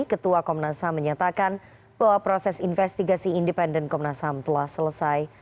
ketua komnas ham menyatakan bahwa proses investigasi independen komnas ham telah selesai